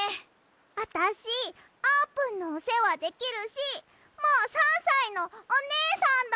あたしあーぷんのおせわできるしもう３さいのおねえさんだもん！